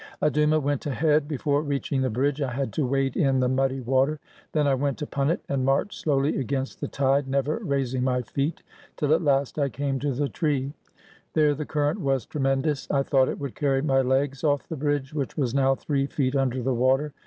Adouma went ahead. Before reaching the bridge I had to wade in the muddy water. Then I went upon it and marched slowly against the tide, never raising my feet, till at last I came to the tree. There the current was tremendous. I thought it would carry my legs off the bridge, which was now three feet under the water.